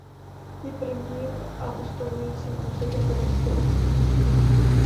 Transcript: Je prvním a ustavujícím úsekem brněnské Okružní třídy.